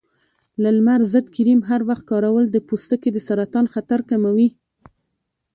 د لمر ضد کریم هر وخت کارول د پوستکي د سرطان خطر کموي.